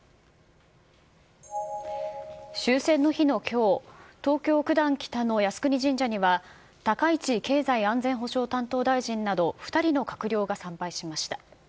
終戦の日のきょう、東京・九段北の靖国神社には、高市経済安全保障担当大臣など２人の閣僚が参拝しました。